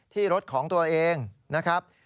ที่รถของตัวเองนะครับ